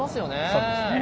そうですね。